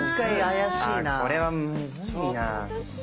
あこれはむずいな。